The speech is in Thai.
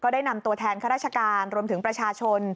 ได้นำตัวแทนข้าราชการรวมถึงประชาชน